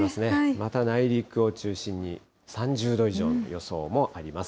また内陸を中心に３０度以上の予想もあります。